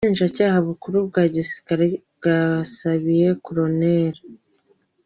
Ubushinjacyaha Bukuru bwa Gisirikare bwasabiye Col.